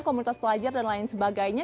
komunitas pelajar dan lain sebagainya